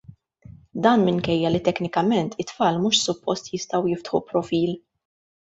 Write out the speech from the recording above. Dan minkejja li teknikament it-tfal mhux suppost jistgħu jiftħu profil.